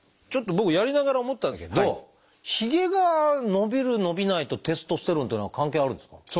ちょっと僕やりながら思ったんですけどひげが伸びる伸びないとテストステロンっていうのは関係あるんですか？